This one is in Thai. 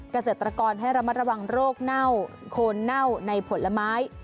เกษตรกรให้ระมัดระวังโรคเน่าโคนเน่าในผลไม้